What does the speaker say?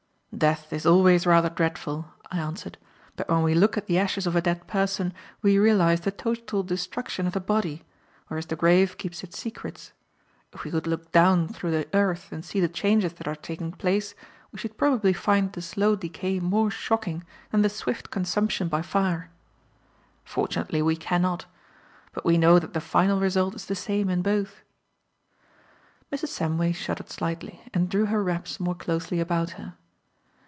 "Death is always rather dreadful," I answered. "But when we look at the ashes of a dead person, we realize the total destruction of the body; whereas the grave keeps its secrets. If we could look down through the earth and see the changes that are taking place, we should probably find the slow decay more shocking than the swift consumption by fire. Fortunately we cannot. But we know that the final result is the same in both." Mrs. Samway shuddered slightly, and drew her wraps more closely about her.